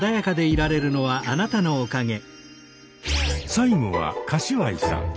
最後は柏井さん。